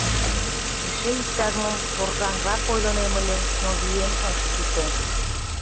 Эше иктаж-мом торжанрак ойлынем ыле, но вием ыш сите.